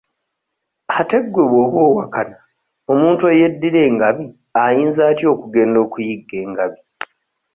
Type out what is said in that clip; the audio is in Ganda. Ate gwe bw'oba owakana omuntu ey'eddira engabi ayinza atya okugenda okuyigga engabi?